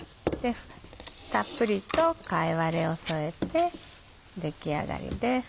たっぷりと貝割れを添えて出来上がりです。